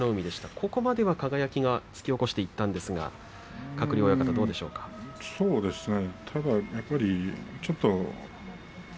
そこまでは輝が突き起こしていったんですが鶴竜親方、どうでしょうか。